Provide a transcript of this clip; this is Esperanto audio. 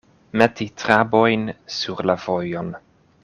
Meti trabojn sur la vojon.